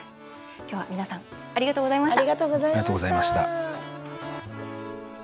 今日は、皆さんありがとうございました。